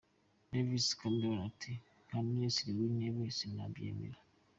David Cameron ati, nka minisitiri w'intebe sinabyemera.